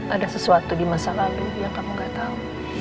ada sesuatu di masa lalu yang kamu nggak tau